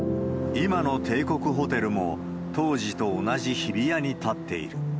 今の帝国ホテルも、当時と同じ日比谷に建っている。